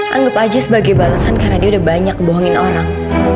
anggap aja sebagai balasan karena dia udah banyak bohongin orang